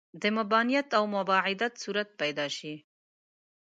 د مباینت او مباعدت صورت پیدا شي.